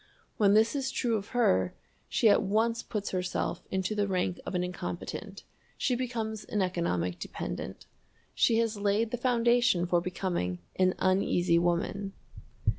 When this is true of her, she at once puts herself into the rank of an incompetent she becomes an economic dependent. She has laid the foundation for becoming an Uneasy Woman.